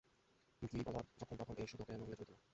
গিরিবালার যখন তখন এই সুধোকে নহিলে চলিত না।